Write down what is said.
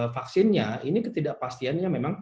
vaksinnya ini ketidakpastiannya memang